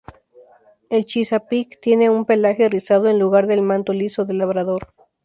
El Chesapeake tiene un pelaje rizado, en lugar del manto liso del Labrador.